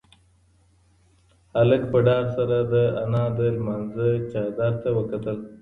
هلک په ډار سره د انا د لمانځه چادر ته وکتل.